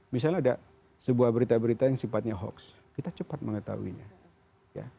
misalnya ada sebuah berita berita yang sifatnya hoax kita cepat mengetahuinya